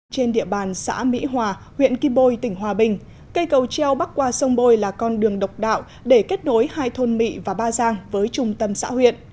trên địa bàn xã mỹ hòa huyện kim bôi tỉnh hòa bình cây cầu treo bắc qua sông bôi là con đường độc đạo để kết nối hai thôn mỹ và ba giang với trung tâm xã huyện